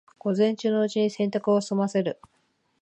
午前中のうちに洗濯を済ませる